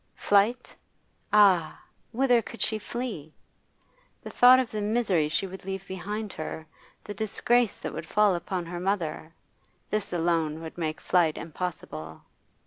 Flight? Ah! whither could she flee? The thought of the misery she would leave behind her, the disgrace that would fall upon her mother this would alone make flight impossible.